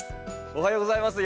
おはようございます。